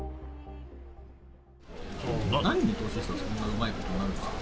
なんに投資したらそんなうまいことになるんですか。